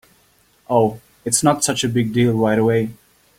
Oh, it’s not such a big deal right away.